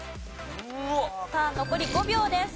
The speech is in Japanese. さあ残り５秒です。